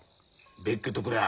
別居とくりゃあ